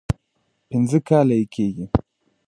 پنځه کاله یې کېږي.